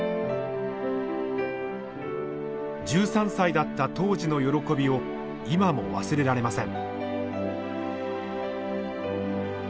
１３歳だった当時の喜びを今も忘れられません。